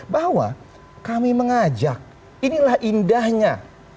bahwa kami mengajak inilah indahnya